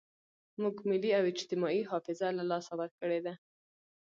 موږ ملي او اجتماعي حافظه له لاسه ورکړې ده.